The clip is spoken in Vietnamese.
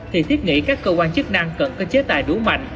thì thiết nghĩ các cơ quan chức năng cần có chế tài đủ mạnh